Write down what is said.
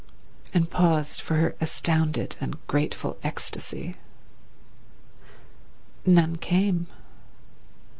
And paused for her astounded and grateful ecstasy. None came.